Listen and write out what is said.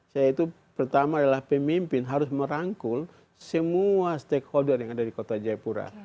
saya itu pertama adalah pemimpin harus merangkul semua stakeholder yang ada di kota jayapura